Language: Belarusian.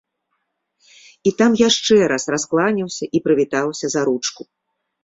І там яшчэ раз раскланяўся і прывітаўся за ручку.